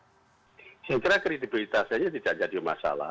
sebenarnya kredibilitasnya tidak jadi masalah